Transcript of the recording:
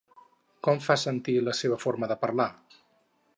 Com fa sentir la seva forma de parlar?